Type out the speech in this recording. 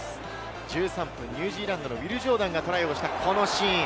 １３分、ニュージーランド、ウィル・ジョーダンがトライをしたこのシーン。